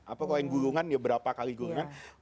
apa kalau yang gulungan ya berapa kali gulungan